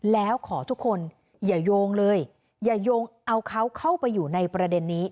แล้วขอทุกคนอย่าโยงเลยอย่าโยงเอาเขาเข้าไปอยู่ในประเด็นนี้